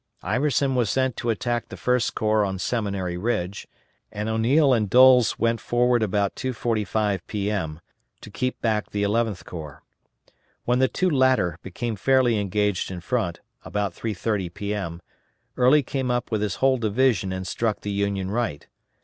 Iverson was sent to attack the First Corps on Seminary Ridge, and O'Neill and Doles went forward about 2.45 P.M., to keep back the Eleventh Corps. When the two latter became fairly engaged in front, about 3.30 P.M., Early came up with his whole division and struck the Union right.